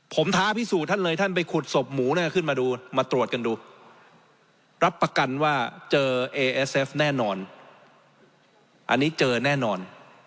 ผมท้าพิสูจน์ท่านเลยท่านไปขุดศพหมูเนี่ยขึ้นมาดูมาตรวจกันดูรับประกันว่าเจอเอเอสเอฟแน่นอนอันนี้เจอแน่นอน